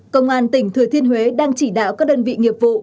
công an tỉnh thừa thiên huế đang chỉ đạo các đơn vị nghiệp vụ